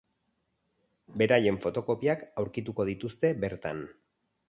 Beraien fotokopiak aurkituko dituzte bertan.